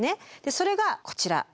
それがこちら。